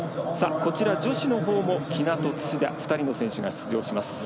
こちら女子のほうも喜納と土田、２人の選手が出場します。